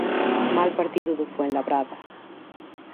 Mal partido do Fuenlabrada.